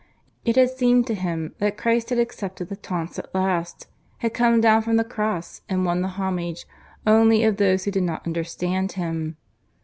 It had seemed to him that Christ had accepted the taunts at last, had come down from the Cross and won the homage only of those who did not understand Him.